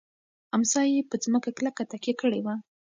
امسا یې په مځکه کلکه تکیه کړې وه.